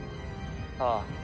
ああ。